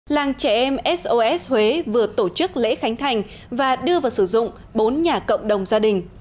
làng trẻ em sos huế vừa tổ chức lễ khánh thành và đưa vào sử dụng bốn nhà cộng đồng gia đình